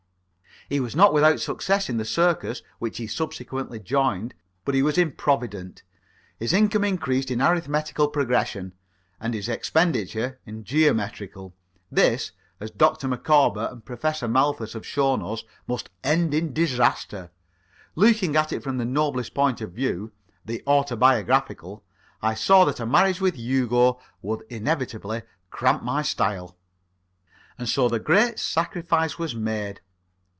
He was not without success in the circus which he subsequently joined, but he was improvident. His income increased in arithmetical progression, and his expenditure in geometrical. This, as Dr. Micawber and Professor Malthus have shown us, must end in disaster. Looking at it from the noblest point of view the autobiographical I saw that a marriage with Hugo would inevitably cramp my style. And so the great sacrifice was made.